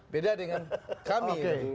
beda dengan kami